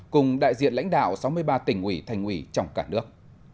cùng đại diện lãnh đạo sáu mươi ba tỉnh ủy thành ủy trong cả nước